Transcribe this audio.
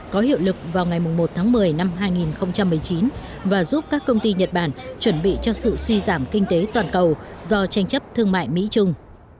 có hiệu lực vào ngày một tháng một mươi năm hai nghìn một mươi chín và giúp các công ty nhật bản chuẩn bị cho sự suy giảm kinh tế toàn cầu do tranh chấp thương mại mỹ trung